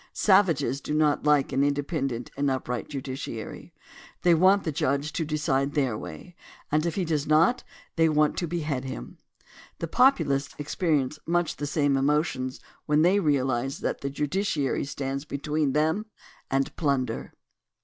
Savages do not like an independent and upright judiciary. They want the judge to decide their way, and if he does not, they want to behead him. The Populists experi ence much the same emotions when they realize that the ju diciary stands between them and plunder.